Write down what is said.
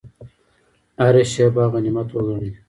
هره شیبه غنیمت وګڼئ